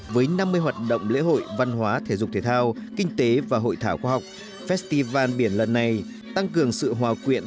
với năm mươi hoạt động lễ hội văn hóa thể dục thể thao kinh tế và hội thảo khoa học festival biển lần này tăng cường sự hòa quyện